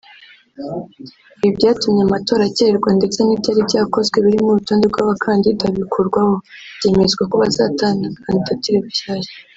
Ibi byatumye amatora akererwa ndetse n’ibyari byakozwe birimo urutonde rw’abakandida bikurwaho byemezwa ko bazatanga kandidatire bushyashya